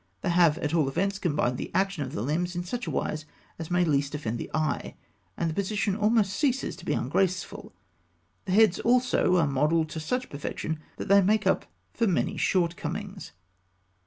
They have at all events combined the action of the limbs in such wise as may least offend the eye, and the position almost ceases to be ungraceful. The heads also are modelled to such perfection that they make up for many shortcomings.